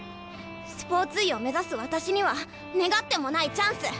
スポーツ医を目指す私には願ってもないチャンス。